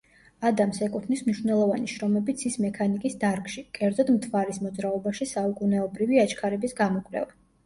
ადამს ეკუთვნის მნიშვნელოვანი შრომები ცის მექანიკის დარგში, კერძოდ მთვარის მოძრაობაში საუკუნეობრივი აჩქარების გამოკვლევა.